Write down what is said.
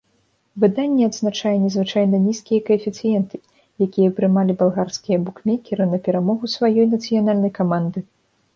Выданне адзначае незвычайна нізкія каэфіцыенты, якія прымалі балгарскія букмекеры на перамогу сваёй нацыянальнай каманды.